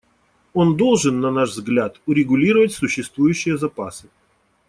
Он должен, на наш взгляд, урегулировать существующие запасы.